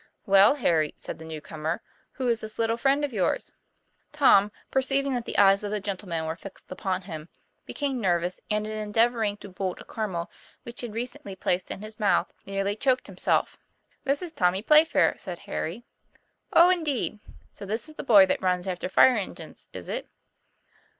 "Well, Harry," said the new comer, "who is this little friend of yours?" Tom, perceiving that the eyes of the gentleman were fixed upon him, became nervous, and in endeav oring to bolt a caramel which he had recently placed in his mouth, nearly choked himself. ; This is Tommy Playfair," said Harry. ' Oh, indeed ! so this is the boy that runs after fire engines, is it?"